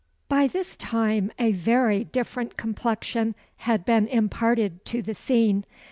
By this time a very different complexion had been imparted to the scene.